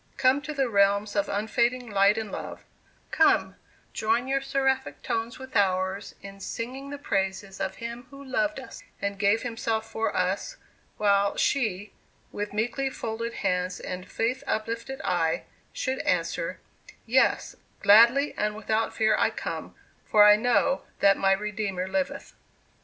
come to the realms of unfading light and love come, join your seraphic tones with ours, in singing the praises of Him who loved us, and gave himself for us' while she, with meekly folded hands and faith uplifted eye, should answer, 'Yes, gladly and without fear I come, for I know that my Redeemer liveth.